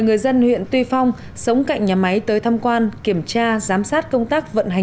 người dân huyện tuy phong sống cạnh nhà máy tới thăm quan kiểm tra giám sát công tác vận hành